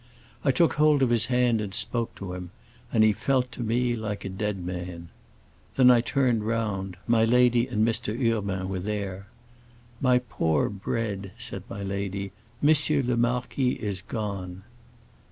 I took hold of his hand and spoke to him, and he felt to me like a dead man. Then I turned round; my lady and Mr. Urbain were there. 'My poor Bread,' said my lady, 'M. le Marquis is gone.